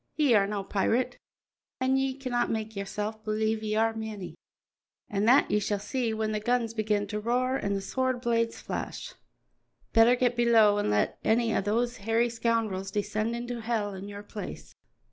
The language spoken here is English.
"Ye are no pirate, an' ye canna make yoursel' believe ye are ane, an' that ye shall see when the guns begin to roar an' the sword blades flash. Better get below an' let ane o' these hairy scoundrels descend into hell in your place."